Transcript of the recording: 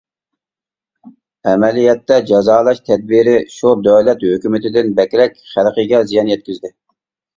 ئەمەلىيەتتە جازالاش تەدبىرى شۇ دۆلەت ھۆكۈمىتىدىن بەكرەك خەلقىگە زىيان يەتكۈزدى.